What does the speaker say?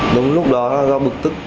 lúc đó do bực tức